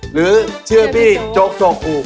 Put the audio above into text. หรือเชื่อพี่โจ๊กจกอูก